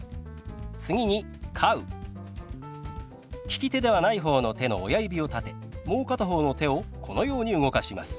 利き手ではない方の手の親指を立てもう片方の手をこのように動かします。